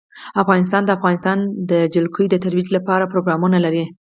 افغانستان د د افغانستان جلکو د ترویج لپاره پروګرامونه لري.